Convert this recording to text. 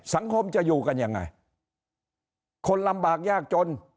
สังคมจะอยู่กันยังไงคนลำบากยากจน